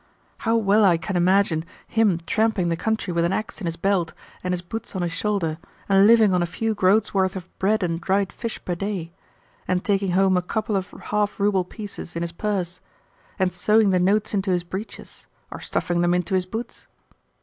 How well I can imagine him tramping the country with an axe in his belt and his boots on his shoulder, and living on a few groats' worth of bread and dried fish per day, and taking home a couple of half rouble pieces in his purse, and sewing the notes into his breeches, or stuffing them into his boots!